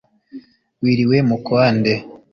wiriwe mu kwa nde